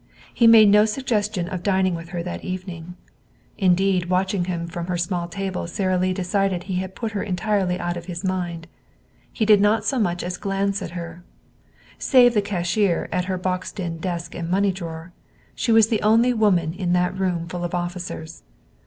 He made no suggestion of dining with her that evening. Indeed, watching him from her small table, Sara Lee decided that he had put her entirely out of his mind. He did not so much as glance at her. Save the cashier at her boxed in desk and money drawer, she was the only woman in that room full of officers.